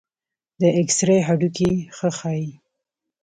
د ایکسرې هډوکي ښه ښيي.